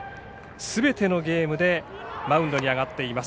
すべてのゲームでマウンドに上がっています。